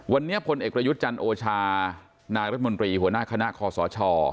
วันนี้พลเอกประยุทธ์จันทร์โอชานายรัฐมนตรีหัวหน้าคณะคอสช